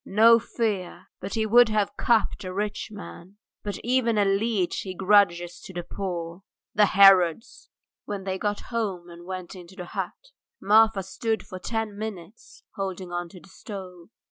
No fear, but he would have cupped a rich man, but even a leech he grudges to the poor. The Herods!" When they got home and went into the hut, Marfa stood for ten minutes holding on to the stove.